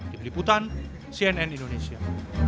di peliputan cnn indonesia